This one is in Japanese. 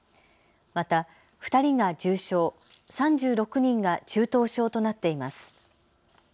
また２人が重症、３６人が中等症となっています。